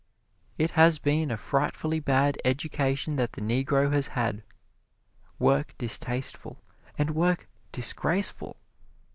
It has been a frightfully bad education that the Negro has had work distasteful, and work disgraceful!